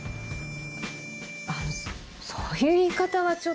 あのそういう言い方はちょっと。